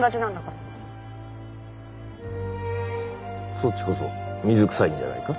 そっちこそ水くさいんじゃないか？